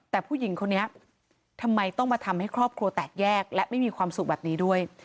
แต่ผู้หญิงคนนี้ทำไมต้องมาทำให้ครอบครัวแตกแยกและไม่มีความสุขแบบนี้ด้วย